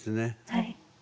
はい。